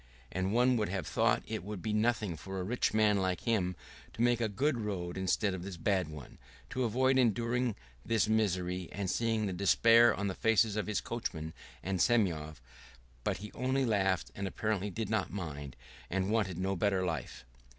And one would have thought it would be nothing for a rich man like him to make a good road instead of this bad one, to avoid enduring this misery and seeing the despair on the faces of his coachman and Semyon; but he only laughed, and apparently did not mind, and wanted no better life.